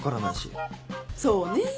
そうねぇ。